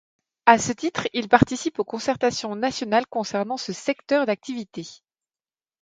À ce titre il participe aux concertations nationales concernant ce secteur d'activité.